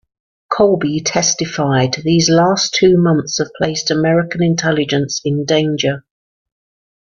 Colby testified, These last two months have placed American intelligence in danger.